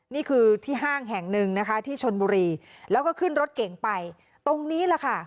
นี่คือที่ห้างแห่งหนึ่งนะคะที่ชนบุรีแล้วก็ขึ้นรถเก่งไปตรงนี้แหละค่ะ